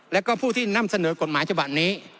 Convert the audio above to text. แล้วก็ผู้ที่นำเสนอกฎหมายฉบับนี้